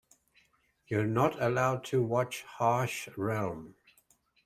You're not allowed to watch Harsh Realm'.